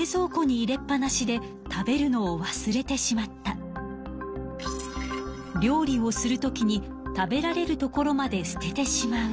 料理をする時に食べられるところまで捨ててしまうなど。